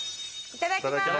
いただきます。